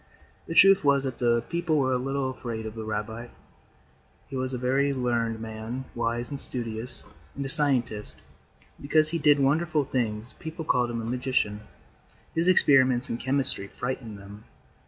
The truth was that the people were a little afraid of the rabbi. He was a very learned man, wise and studious, and a scientist; and because he did wonderful things people called him a magician. His experiments in chemistry frightened them.